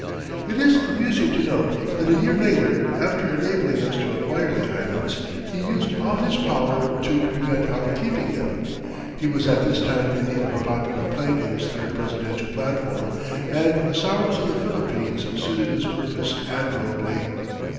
It is amusing to note that a year later, after enabling us to acquire the islands, he used all his power to prevent our keeping them. He was at this time in need of a popular plank in his third presidential platform, and the sorrows of the Filipinos suited his purpose admirably.